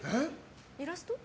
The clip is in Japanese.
イラスト？